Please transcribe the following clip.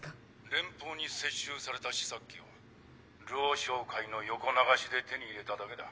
連邦に接収された試作機を・「ルオ商会」の横流しで手に入れただけだ。